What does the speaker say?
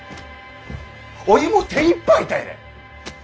おいも手いっぱいたいね。